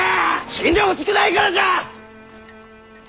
死んでほしくないからじゃ！